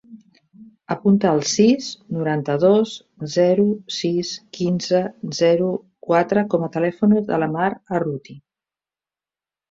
Apunta el sis, noranta-dos, zero, sis, quinze, zero, quatre com a telèfon de la Mar Arruti.